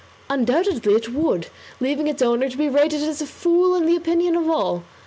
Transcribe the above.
Undoubtedly it would, leaving its owner to be rated as a fool in the opinion of all.